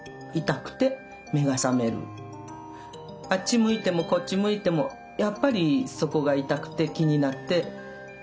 あっち向いてもこっち向いてもやっぱりそこが痛くて気になって寝つけない。